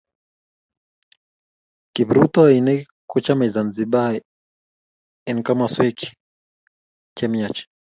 Kiprutoinik kochomei Zanzibar eng komoswekchi chemyach.